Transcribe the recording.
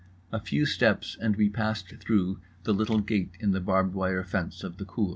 A few steps and we passed through the little gate in the barbed wire fence of the cour.